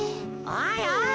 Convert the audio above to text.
おいおい。